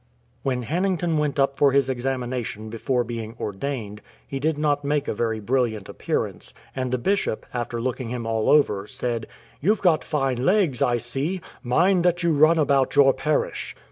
'" When Hannington went up for his examination before being ordained, he did not make a very brilliant appear ance, and the Bishop, after looking him all over, said, " You\'e got fine legs, I see ; mind that you run about your parish.'"